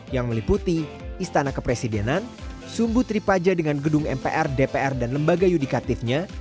yang meliputi istana kepresidenan sumbu tripaja dengan gedung mpr dpr dan lembaga yudikatifnya